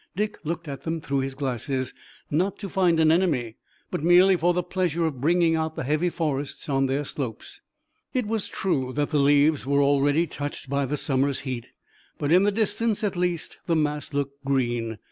Dick looked at them through his glasses, not to find an enemy, but merely for the pleasure of bringing out the heavy forests on their slopes. It was true that the leaves were already touched by the summer's heat, but in the distance at least the mass looked green.